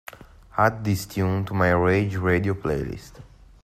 add this tune to my Rage Radio playlist